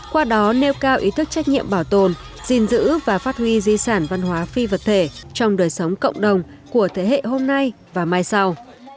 qua đó nêu cao ý thức trách nhiệm bảo tồn gìn giữ và phát huy di sản văn hóa phi vật thể trong đời sống cộng đồng của thế hệ hôm nay và mai sau